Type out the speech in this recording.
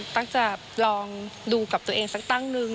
จะลองดูกับตัวเองสักตั้งนึง